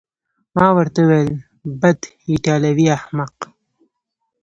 ما ورته وویل: بد، ایټالوی احمق.